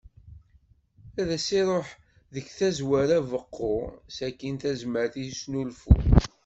Ad as-iruḥ deg tazwara beqqu, sakkin tazmert i usnulfu.